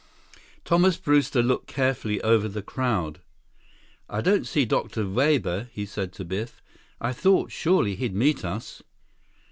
23 Thomas Brewster looked carefully over the crowd. "I don't see Dr. Weber," he said to Biff. "I thought surely he'd meet us."